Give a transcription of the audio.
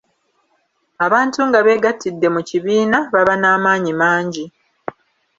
Abantu nga beegattidde mu kibiina baba n’amaanyi mangi.